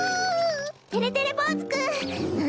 てれてれぼうずくん！